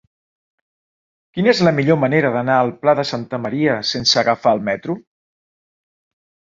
Quina és la millor manera d'anar al Pla de Santa Maria sense agafar el metro?